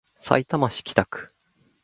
さいたま市北区